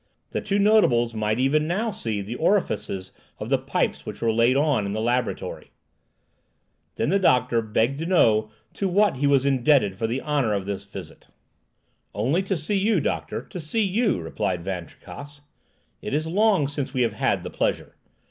The two notables might even now see the orifices of the pipes which were laid on in the laboratory. Then the doctor begged to know to what he was indebted for the honour of this visit. "Only to see you, doctor; to see you," replied Van Tricasse. "It is long since we have had the pleasure.